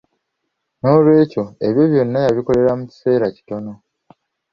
N'olw'ekyo ebyo byonna, yabikolera mu kiseera kitono.